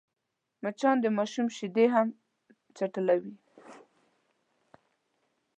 مچان د ماشوم شیدې هم چټلوي